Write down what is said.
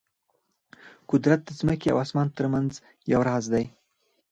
قدرت د ځمکې او اسمان ترمنځ یو راز دی.